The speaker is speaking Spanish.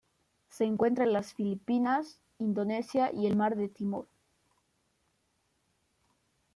Se encuentra en las Filipinas, Indonesia y el Mar de Timor.